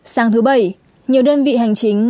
sáng thứ bảy nhiều đơn vị hành chính